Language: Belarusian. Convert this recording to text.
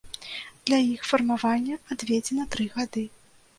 Для іх фармавання адведзена тры гады.